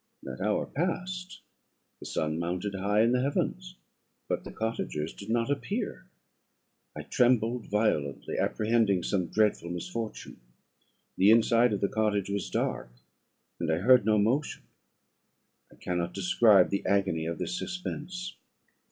That hour passed, the sun mounted high in the heavens, but the cottagers did not appear. I trembled violently, apprehending some dreadful misfortune. The inside of the cottage was dark, and I heard no motion; I cannot describe the agony of this suspense.